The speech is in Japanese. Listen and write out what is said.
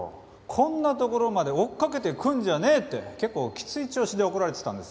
「こんな所まで追っかけてくるんじゃねえ！」って結構きつい調子で怒られてたんですよね。